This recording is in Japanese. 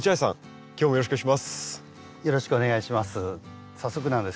よろしくお願いします。